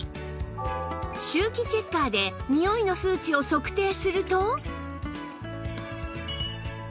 臭気チェッカーでニオイの数値を測定すると